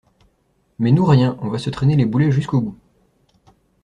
mais nous rien, on va se traîner les boulets jusqu’au bout.